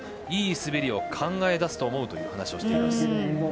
いい滑りを考え出すと思うと話をしています。